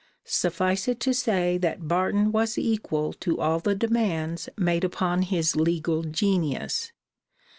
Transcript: Suffice it to say that Barton was equal to all the demands made upon his legal genius.